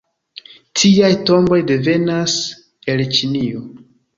Tiaj tomboj devenas el Ĉinio.